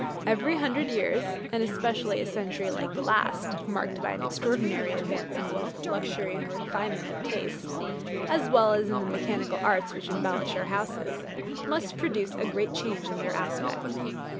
Every hundred years, and especially a century like the last, marked by an extraordinary advance in wealth, luxury, and refinement of taste, as well as in the mechanical arts which embellish our houses, must produce a great change in their aspect.